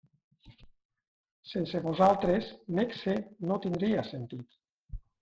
Sense vosaltres Nexe no tindria sentit.